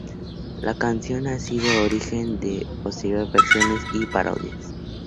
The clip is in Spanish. La canción ha sido origen de posteriores versiones y parodias.